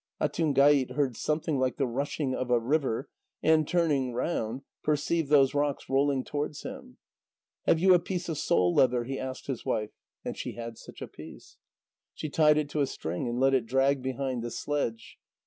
Atungait heard something like the rushing of a river, and turning round, perceived those rocks rolling towards him. "Have you a piece of sole leather?" he asked his wife. And she had such a piece. She tied it to a string and let it drag behind the sledge.